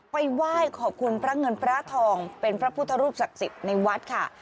ไปไหว้ขอบคุณพระเงินพระทองเป็นพระพุทธรูปศักดิ์สิทธิ์ในวัดค่ะ